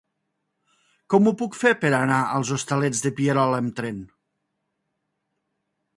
Com ho puc fer per anar als Hostalets de Pierola amb tren?